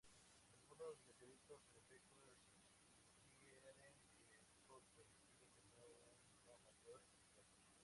Algunos meteoritos, en efecto, sugieren que el Sol primitivo tenía una mayor actividad.